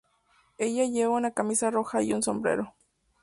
Ella lleva una camisa roja y un sombrero.